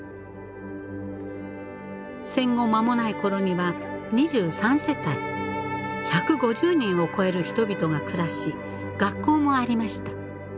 戦後間もないころには２３世帯１５０人を超える人々が暮らし学校もありました。